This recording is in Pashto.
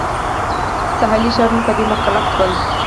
ساحلي ښارونه په دې مکلف شول.